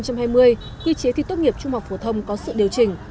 năm hai nghìn hai mươi nghị chế thi tốt nghiệp trung học phổ thông có sự điều chỉnh